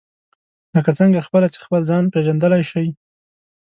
لکه څنګه خپله چې خپل ځان پېژندلای شئ.